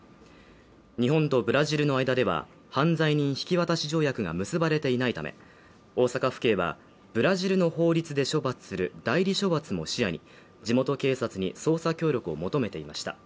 日本とブラジルの間では犯罪人引き渡し条約が結ばれていないため、大阪府警は、ブラジルの法律で処罰する代理処罰も視野に、地元警察に捜査協力を求めていました。